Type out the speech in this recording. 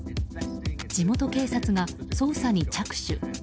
地元警察が捜査に着手。